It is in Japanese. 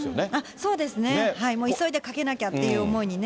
そうですね、急いでかけなきゃっていう思いにね。